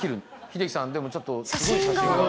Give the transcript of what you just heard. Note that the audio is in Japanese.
英樹さんでもちょっとすごい写真が。